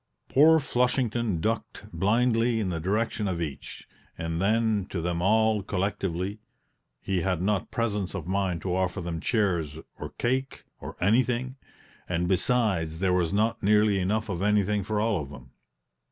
Poor Flushington ducked blindly in the direction of each, and then to them all collectively: he had not presence of mind to offer them chairs or cake, or anything; and besides, there was not nearly enough of anything for all of them.